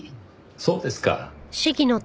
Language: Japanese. そうですか。